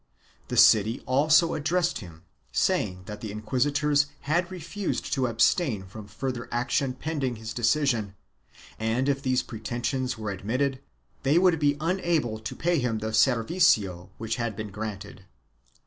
The city also addressed him, saying that the inquisitors had refused to abstain from further action pend ing his decision and if these pretensions were admitted they would be unable to pay him the servicio which had been granted.